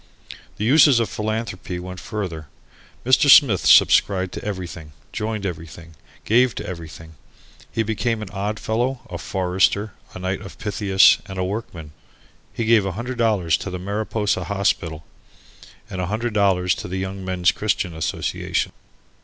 The uses of philanthropy went further. Mr. Smith subscribed to everything, joined everything, gave to everything. He became an Oddfellow, a Forester, A Knight of Pythias and a Workman. He gave a hundred dollars to the Mariposa Hospital and a hundred dollars to the Young Men's Christian Association.